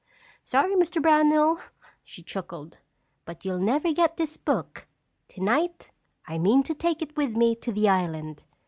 "Sorry, Mr. Brownell," she chuckled, "but you'll never get this book. Tonight I mean to take it with me to the island.